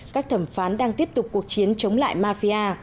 các thẩm phán đang tiếp tục cuộc chiến chống lại mafia